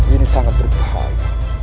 ini sangat berbahaya